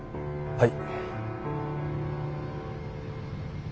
はい！